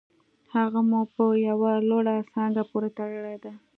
هغه مو په یوه لوړه څانګه پورې تړلې ده